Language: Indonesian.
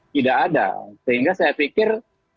tidak ada sehingga saya pikir